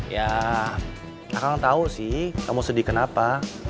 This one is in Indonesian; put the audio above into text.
ya kakak tau sih kamu sedih kenapa